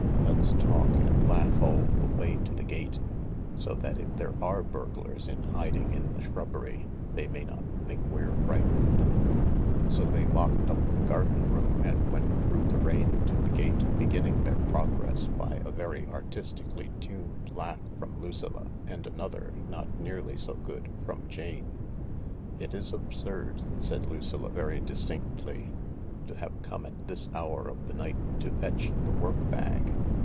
Let's talk and laugh all the way to the gate, so that if there ate burglars in hiding in the shrubbery they may not think we're frightened." I 130 THE LARK So they locked up the garden room, and went through the rain to the gate, beginning their progress by a very artistically tuned laugh from Lucilla, and another, not nearly so good, from Jane. "It is absurd," said Lucilla, very distinctly, "to have come at this hour of the night to fetch the work bag.